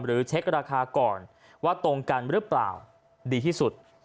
เช็คราคาก่อนว่าตรงกันหรือเปล่าดีที่สุด